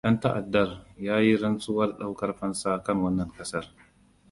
Ɗan ta'addar ya yi rantsuwar ɗaukar fansa kan wannan ƙasar.